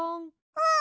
うん。